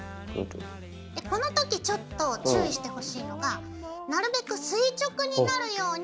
この時ちょっと注意してほしいのがなるべく垂直になるように。